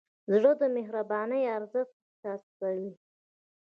زړه د مهربانۍ ارزښت احساسوي.